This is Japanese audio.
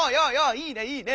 いいねいいね！